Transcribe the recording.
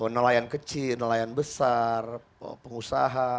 nelayan kecil nelayan besar pengusaha